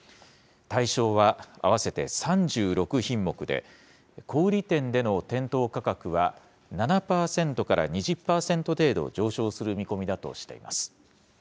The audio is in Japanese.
対象は合わせて３６品目で、小売り店での店頭価格は、７％から２０％程度、上昇する見込みだとしています。